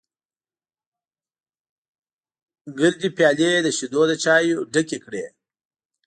ګردې پيالې یې د شیدو له چایو ډکې کړې.